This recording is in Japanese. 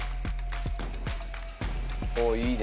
おいいね。